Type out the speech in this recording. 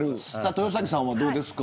豊崎さん、いかがですか。